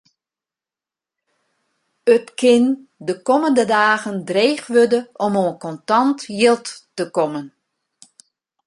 It kin de kommende dagen dreech wurde om oan kontant jild te kommen.